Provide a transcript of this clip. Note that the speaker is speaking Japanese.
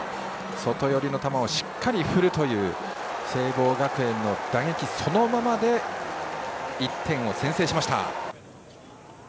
外寄りの球をしっかり振るという聖望学園の打撃そのままで１点を先制しました。